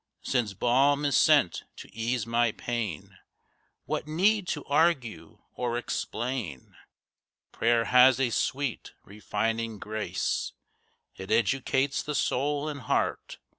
Since balm is sent to ease my pain, What need to argue or explain? Prayer has a sweet, refining grace, It educates the soul and heart.